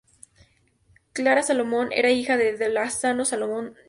Clara Salomon era hija de D. Lázaro Salomon y Da.